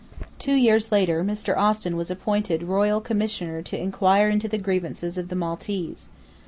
Two years later Mr. Austin was appointed Royal Commissioner to inquire into the grievances of the Maltese.